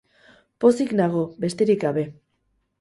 Pozik nago, besterik gabe.